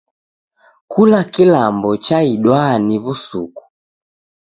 Kula kilambo chaidwaa ni w'usuku.